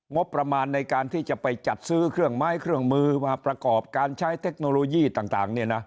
งบประมาณในการที่จะไปจัดซื้อเครื่องไม้เครื่องมือมาประกอบการใช้เทคโนโลยีต่าง